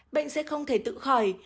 bệnh sẽ không thể tự khỏi